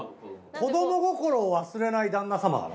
子ども心を忘れない旦那様なの？